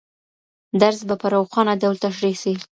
درس به په روښانه ډول تشریح سي.